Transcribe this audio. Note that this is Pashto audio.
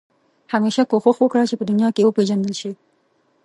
همېشه کوښښ وکړه چې په دنیا کې وپېژندل شې.